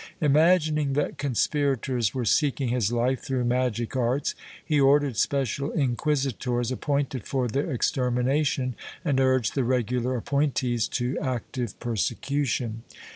Imagining that conspirators were seeking his life through magic arts, he ordered special inquisitors appointed for their extermination and urged the regular appointees to active persecution.